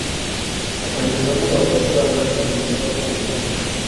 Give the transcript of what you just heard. bakanyuzamo bagacuranga imiziki bakumva